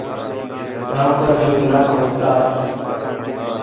نوکریک لَکھ وٹھتاس